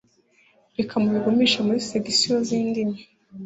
reka mubigumishe muri segisiyo z'indimi.